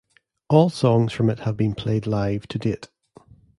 All songs from it have been played live to date.